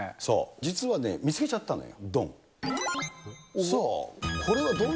実はね、見つけちゃったのよ、どん。